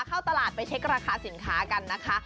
เข้าตลาดไปเช็คราคาสินค้ากันนะคะ